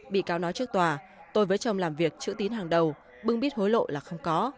bị cáo nói trước tòa tôi với chồng làm việc chữ tín hàng đầu bưng bít hối lộ là không có